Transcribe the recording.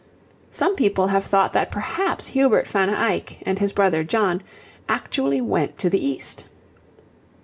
Some people have thought that perhaps Hubert van Eyck, and his brother John, actually went to the East.